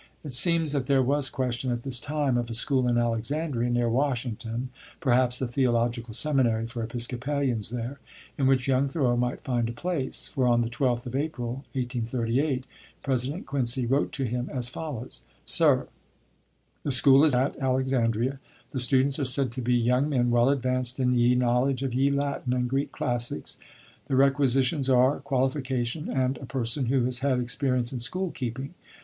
It seems that there was question, at this time, of a school in Alexandria, near Washington (perhaps the Theological Seminary for Episcopalians there), in which young Thoreau might find a place; for on the 12th of April, 1838, President Quincy wrote to him as follows: "SIR, The school is at Alexandria; the students are said to be young men well advanced in ye knowledge of ye Latin and Greek classics; the requisitions are, qualification and a person who has had experience in school keeping.